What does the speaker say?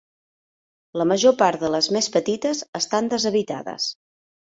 La major part de les més petites estan deshabitades.